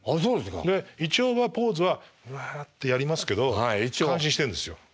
で一応はポーズはうわってやりますけど感心してるんですよ。